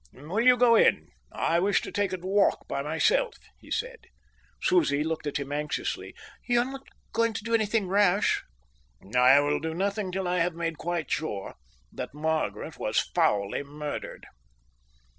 "Will you go in? I wish to take a walk by myself," he said. Susie looked at him anxiously. "You're not going to do anything rash?" "I will do nothing till I have made quite sure that Margaret was foully murdered."